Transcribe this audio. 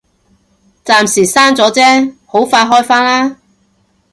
暫時閂咗啫，好快開返啦